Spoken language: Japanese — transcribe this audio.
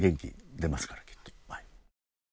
元気出ますからきっと。